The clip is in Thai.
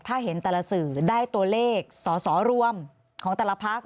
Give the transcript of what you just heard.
ถ้าเห็นแต่ละสื่อได้ตัวเลขสอสอรวมของแต่ละพัก